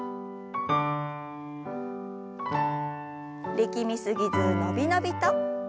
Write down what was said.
力み過ぎず伸び伸びと。